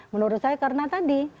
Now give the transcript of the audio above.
menurut saya karena tadi